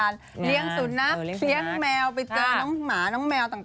เลี้ยงสุนัขเลี้ยงแมวไปเจอน้องหมาน้องแมวต่าง